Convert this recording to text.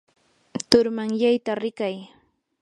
turmanyayta rikay.